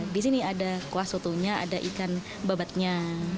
di sini ada kuah sotonya ada ikan babatnya